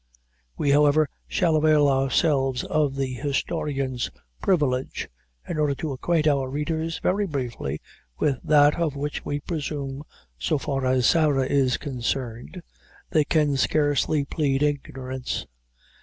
We, however, shall avail ourselves of the historian's privilege, in order to acquaint our readers, very briefly, with that, of which we presume, so far as Sarah is concerned, they can scarcely plead ignorance.